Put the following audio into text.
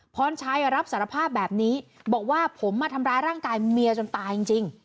พรชัยรับสารภาพแบบนี้บอกว่าผมมาทำร้ายร่างกายเมียจนตายจริง